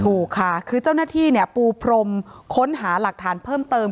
ถูกค่ะคือเจ้าหน้าที่ปูพรมค้นหาหลักฐานเพิ่มเติม